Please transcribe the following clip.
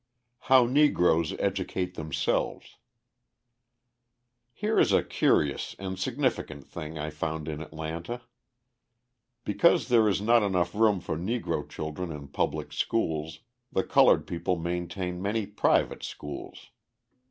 How Negroes Educate Themselves Here is a curious and significant thing I found in Atlanta. Because there is not enough room for Negro children in public schools, the coloured people maintain many private schools.